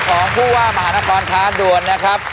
ของผู้ว่ามหานครท้าด่วนนะครับ